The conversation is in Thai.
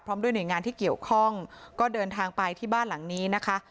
ด้วยหน่วยงานที่เกี่ยวข้องก็เดินทางไปที่บ้านหลังนี้นะคะ